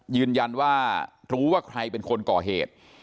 ยืนยันว่ารู้ว่าใครเป็นคนก่อเหตุ